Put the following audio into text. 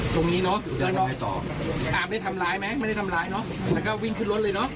ตรงนี้อาบได้ทำร้ายไหมมันได้ทำร้ายแล้วก็วิ่งขึ้นรถเลย